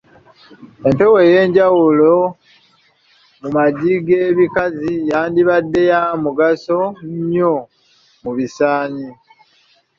Empewo ey'enjawulo mu magi g’ebikazi yandibadde ya mugaso nnyo mu bisaanyi.